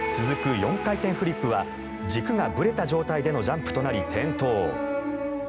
４回転フリップは軸がぶれた状態でのジャンプとなり、転倒。